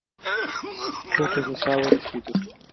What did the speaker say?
کور ته هوسا ورسېدو.